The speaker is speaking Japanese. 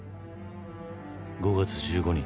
「５月１５日